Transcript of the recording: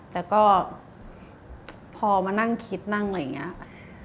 แต่ก็พอมานั่งคิดนั่งอะไรอย่างนี้